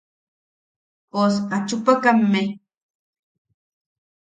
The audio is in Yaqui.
Pos achupakamme.